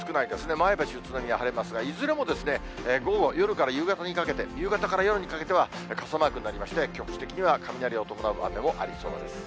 前橋、宇都宮少ないですが、いずれにしても午後から夕方にかけて、夕方から夜にかけては、傘マークになりまして、局地的には雷を伴う雨もありそうです。